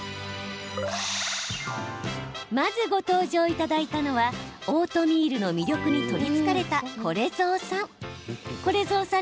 まずご登場いただいたのはオートミールの魅力に取りつかれた、これぞうさん。